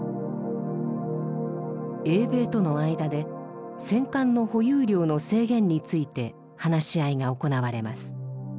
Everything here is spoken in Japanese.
英米との間で戦艦の保有量の制限について話し合いが行われます。